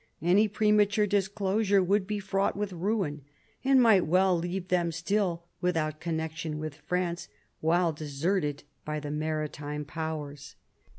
Any premature disclosure would be fraught with ruin, and might well leave them still without connection with France, while deserted by the Maritime Powers.